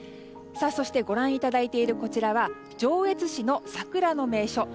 そして、ご覧いただいているこちらは上越市の桜の名所